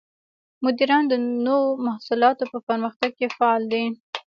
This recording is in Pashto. مدیران د نوو محصولاتو په پرمختګ کې فعال دي.